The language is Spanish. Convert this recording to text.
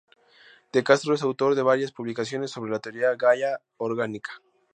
De Castro es autor de varias publicaciones sobre la "teoría Gaia orgánica".